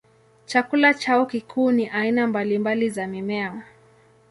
Chakula chao kikuu ni aina mbalimbali za mimea.